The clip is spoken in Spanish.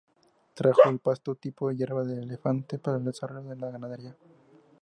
Trajo el pasto tipo hierba de elefante para el desarrollo de la ganadería.